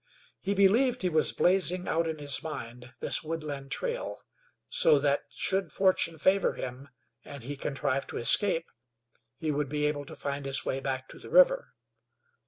He believed he was blazing out in his mind this woodland trail, so that should fortune favor him and he contrive to escape, he would be able to find his way back to the river.